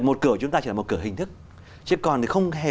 một cửa hình thức chứ còn thì không hề